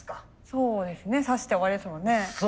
そうですね刺して終わりですもんね。